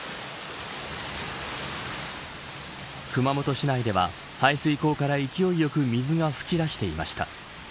熊本市内では排水溝から勢いよく水が噴き出していました。